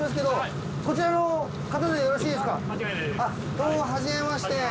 どうもはじめまして。